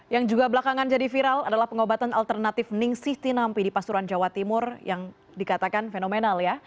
yang juga belakangan jadi viral adalah pengobatan alternatif ningsih tinampi di pasuruan jawa timur yang dikatakan fenomenal ya